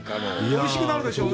おいしくなるでしょうね。